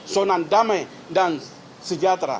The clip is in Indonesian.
sonan damai dan sejahtera